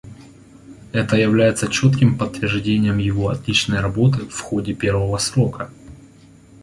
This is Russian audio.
Это является четким подтверждением его отличной работы в ходе первого срока.